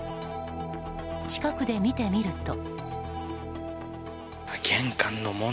近くで見てみると。